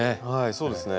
そうですね。